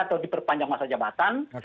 atau diperpanjang masa jabatan